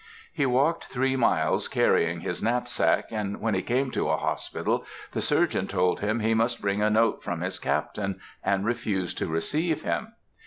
He walked three miles carrying his knapsack, and when he came to a hospital the surgeon told him he must bring a note from his Captain, and refused to receive him.